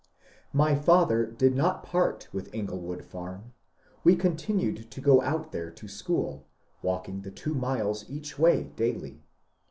My fatber did not part witb Inglewood farm, and we con tinued to go out tbere to scbool, walking tbe two miles eacb way daily.